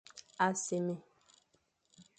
A sémé.